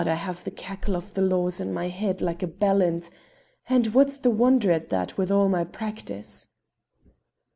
I have the cackle of the law in my head like a ballant, and what's the wonder at that wi' all my practice?"